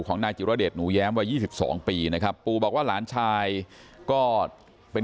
ของนายจิรเดชหนูแย้มวัย๒๒ปีนะครับปู่บอกว่าหลานชายก็เป็น